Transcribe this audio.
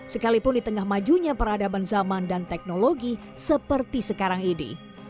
sekalipun di tengah majunya peradaban zaman dan teknologi seperti sekarang ini